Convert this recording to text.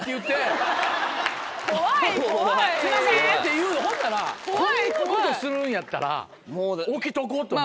言うほんだらこんなことするんやったら起きとこうと思う。